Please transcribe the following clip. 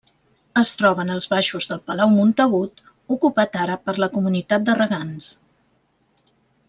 Es troba en els baixos del Palau Montagut, ocupat ara per la Comunitat de Regants.